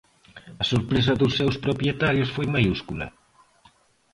A sorpresa dos seus propietarios foi maiúscula.